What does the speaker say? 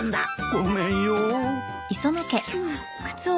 ごめんよ。